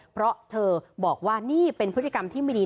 เพราะเธอบอกว่านี่เป็นพฤติกรรมที่ไม่ดี